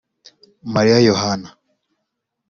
Mariya Yohana